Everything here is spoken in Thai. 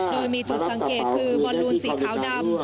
โดยมีจุดสังเกตคือบอลลูนสีขาวดำ